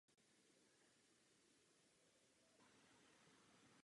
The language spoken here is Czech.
Poté znovu odeslal štítky do výpočetního střediska a celý cyklus se opakoval.